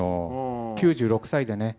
９６歳でね。